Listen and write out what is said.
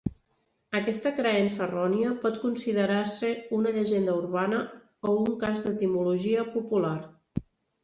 Aquesta creença errònia pot considerar-se una llegenda urbana o un cas d'etimologia popular.